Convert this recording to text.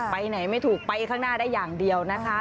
ไปไหนไม่ถูกไปข้างหน้าได้อย่างเดียวนะคะ